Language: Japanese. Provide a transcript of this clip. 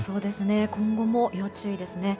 今後も要注意ですね。